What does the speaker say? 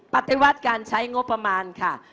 ปฏิวัติการใช้งบประมาณค่ะ